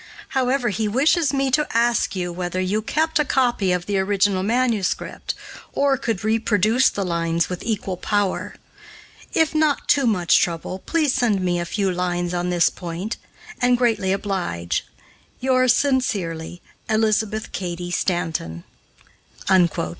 "However, he wishes me to ask you whether you kept a copy of the original manuscript, or could reproduce the lines with equal power. If not too much trouble, please send me a few lines on this point, and greatly oblige, "Yours sincerely, "ELIZABETH CADY STANTON."